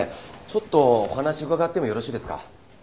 ちょっとお話を伺ってもよろしいですか？